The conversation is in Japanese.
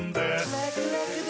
ラクラクだ！